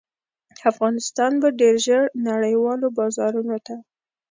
افغانستان به ډیر ژر نړیوالو بازارونو ته